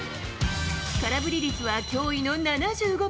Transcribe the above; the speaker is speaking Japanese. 空振り率は驚異の７５％。